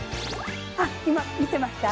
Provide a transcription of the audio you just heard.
あっ今見てました。